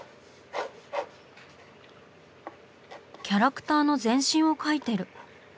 キャラクターの全身を描いてる。